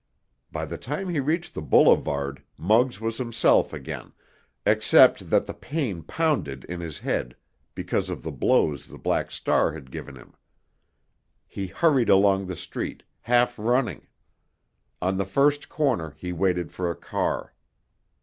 By the time he reached the boulevard, Muggs was himself again, except that the pain pounded in his head because of the blows the Black Star had given him. He hurried along the street, half running. On the first corner he waited for a car.